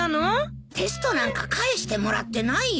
テストなんか返してもらってないよ。